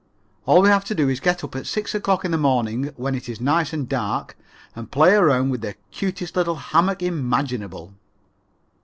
All we have to do is to get up at 6 o'clock in the morning when it is nice and dark and play around with the cutest little hammock imaginable.